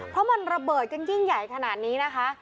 เพราะมันระเบิดกันยิ่งใหญ่ขนาดนี้นะคะ